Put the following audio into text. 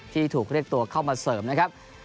ที่ถูกเรียกตัวเข้ามาเสริมนะครับ